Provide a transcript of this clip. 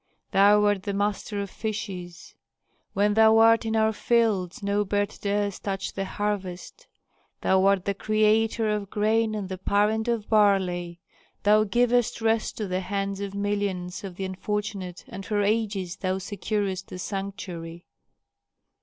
Thou art the master of fishes; when thou art in our fields no bird dares touch the harvest. Thou art the creator of grain and the parent of barley; thou givest rest to the hands of millions of the unfortunate and for ages thou securest the sanctuary."